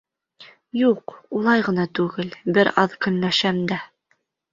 Юҡ, улай ғына түгел, бер аҙ көнләшәм дә...